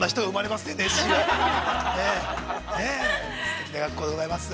すてきな学校でございます。